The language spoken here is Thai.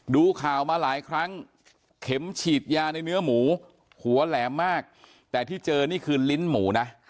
ดูข่าวมาหลายครั้งเข็มฉีดยาในเนื้อหมูหัวแหลมมากแต่ที่เจอนี่คือลิ้นหมูนะ